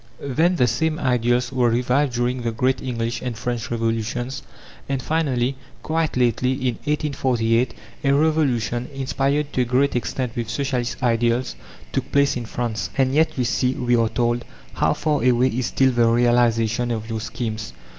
Then, the same ideals were revived during the great English and French Revolutions; and finally, quite lately, in 1848, a revolution, inspired to a great extent with Socialist ideals, took place in France. "And yet, you see," we are told, "how far away is still the realization of your schemes.